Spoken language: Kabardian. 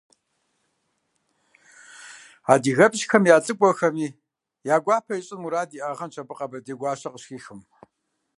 Адыгэпщхэм я лӀыкӀуэхэми я гуапэ ищӀын мурад иӀагъэнщ абы къэбэрдей гуащэр къыщыхихым.